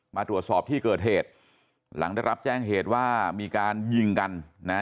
มาตรวจสอบที่เกิดเหตุหลังได้รับแจ้งเหตุว่ามีการยิงกันนะฮะ